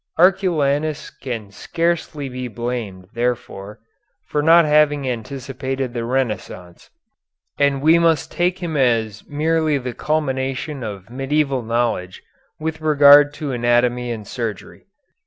Arculanus can scarcely be blamed, therefore, for not having anticipated the Renaissance, and we must take him as merely the culmination of medieval knowledge with regard to anatomy and surgery.